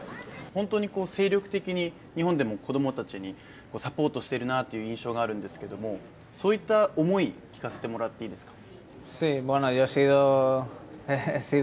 本当に精力的に、日本でも子供たちをサポートしているなと思うんですけどもそういった思い、聞かせてもらっていいですか。